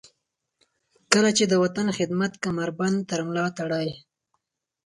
کله چې د وطن د خدمت کمربند تر ملاتړئ.